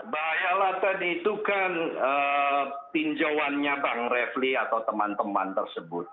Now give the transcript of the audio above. bahaya laten itu kan pinjauannya pak refri atau teman teman tersebut